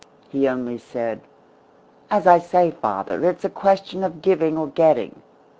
He only said: "As I say, father, it's a question of giving or getting.